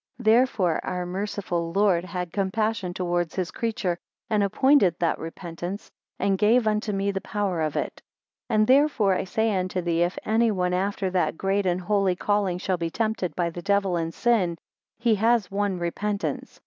22 Therefore our merciful Lord had compassion towards his creature, and appointed that repentance, and gave unto me the power of it. And therefore I say unto thee, if any one after that great and holy calling shall be tempted by the devil and sin, he has one repentance.